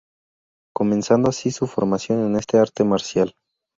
Comenzando así su formación en este arte marcial.